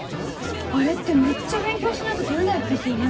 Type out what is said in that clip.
あれってめっちゃ勉強しないと取れないやつですよね。